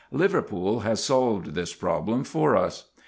Liverpool has solved this problem for us.